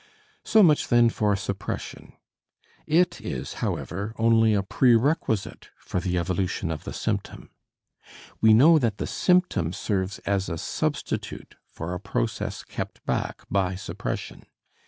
So much, then, for suppression. It is, however, only a prerequisite for the evolution of the symptom. We know that the symptom serves as a substitute for a process kept back by suppression.